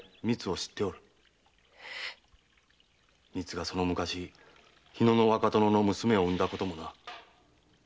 ええ⁉みつがその昔日野の若殿の娘を産んだこともな。